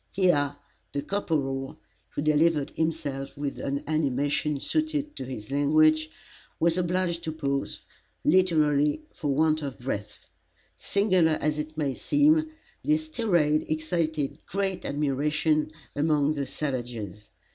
Here the corporal, who delivered himself with an animation suited to his language, was obliged to pause, literally for want of breath. Singular as it may seem, this tirade excited great admiration among the savages.